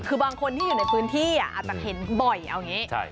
คือบางคนที่อยู่ในพื้นที่อาจจะเห็นบ่อยเอาอย่างนี้